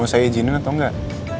mau saya izinkan atau enggak